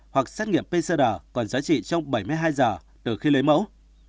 hoặc xét nghiệm pcr còn giá trị trong bảy mươi hai giờ từ khi lấy mẫu